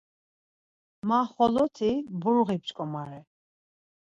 Ma xoloti burği p̌ç̌ǩomare.